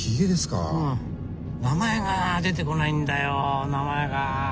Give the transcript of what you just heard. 名前が出てこないんだよ名前が。